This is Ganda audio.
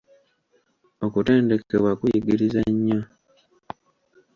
Okutendekebwa kuyigiriza nnyo.